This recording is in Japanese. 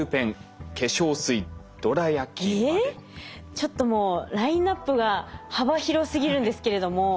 ちょっともうラインナップが幅広すぎるんですけれども。